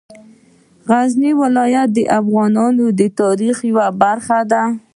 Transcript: غزني ولایت د افغانانو د تاریخ یوه برخه ده.